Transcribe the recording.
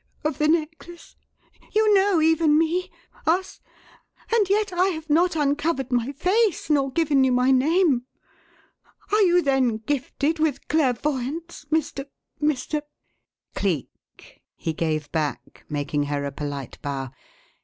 Of the necklace? You know even me? us? and yet I have not uncovered my face nor given you my name. Are you then gifted with clairvoyance, Mr. Mr. " "Cleek," he gave back, making her a polite bow.